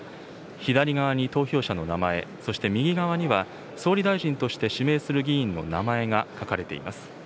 左側に投票者の名前、そして右側には、総理大臣として指名する議員の名前が書かれています。